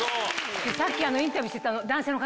さっきインタビューしてた男性。